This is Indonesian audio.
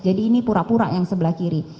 jadi ini pura pura yang sebelah kiri